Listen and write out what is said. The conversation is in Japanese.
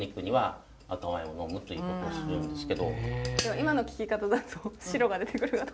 今の聞き方だと白が出てくるかなと。